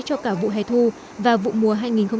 cho cả vụ hè thu và vụ mùa hai nghìn hai mươi